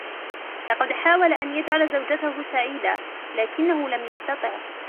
لقد حاول أن يجعل زوجته سعيدة لكنه لم يستطع.